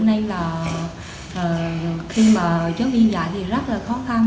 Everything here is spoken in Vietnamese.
nên là khi mà giáo viên dạy thì rất là khó khăn